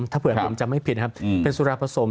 ถ้าเผื่อผมจำไม่ผิดครับเป็นสุราผสม